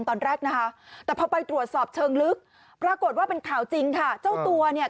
ตอนแรกนะคะแต่พอไปตรวจสอบเชิงลึกปรากฏว่าเป็นข่าวจริงค่ะเจ้าตัวเนี่ย